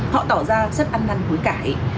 họ tỏ ra rất ăn năn với cãi